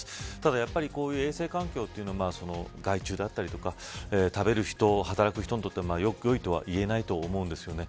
ただこういう衛生環境というのは害虫であったりとか食べる人働く人にとってはよいとはいえないと思うんですよね。